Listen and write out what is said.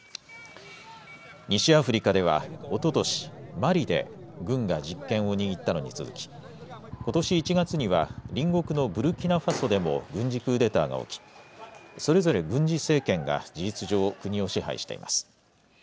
西アフリカではおととし、マリで軍が実権を握ったのに続きことし１月には隣国のブルキナファソでも軍事クーデターが起き、それぞれ軍事政権が事実上国を支配しています。